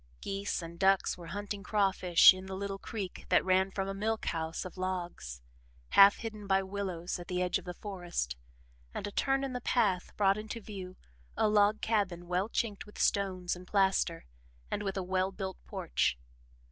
Geese and ducks were hunting crawfish in the little creek that ran from a milk house of logs, half hidden by willows at the edge of the forest, and a turn in the path brought into view a log cabin well chinked with stones and plaster, and with a well built porch.